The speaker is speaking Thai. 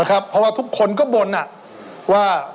อ่าครับเพราะว่าทุกคนก็บ่นน่ะว่า